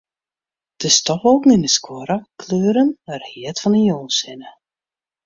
De stofwolken yn 'e skuorre kleuren read fan de jûnssinne.